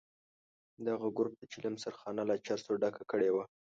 دغه ګروپ د چلم سرخانه له چرسو ډکه کړې وه.